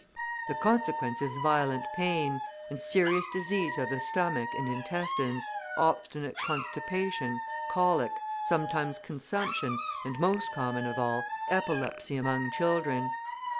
The consequence is violent pain, and serious disease of the stomach and intestines, obstinate constipation, colic, sometimes consumption, and, most common of all, epilepsy among children.